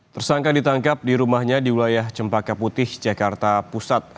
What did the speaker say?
tersangka ditangkap di rumahnya di wilayah cempaka putih jakarta pusat